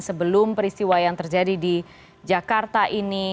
sebelum peristiwa yang terjadi di jakarta ini